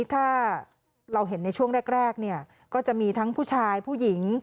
ถ้าเราเห็นในช่วงแรกก็จะมีทั้งผู้ชายผู้หญิง